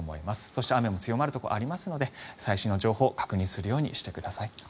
そして、雨が強まるところもありますので最新の情報を確認するようにしてください。